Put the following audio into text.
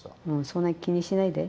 そんな気にしないで。